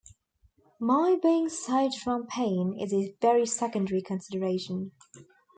My being saved from pain is a very secondary consideration.